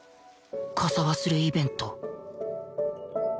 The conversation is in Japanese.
傘忘れイベント